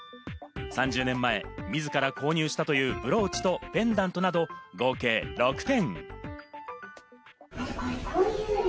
３０年前、自ら購入したというブローチとペンダントなど合計６点。